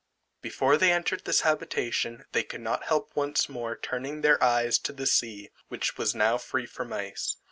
Before they entered this habitation, they could not help once more turning their eyes to the sea, which was now free from ice.